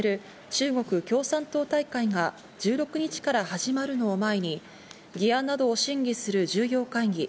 中国共産党大会が１６日から始まるのを前に、議案などを審議する重要会議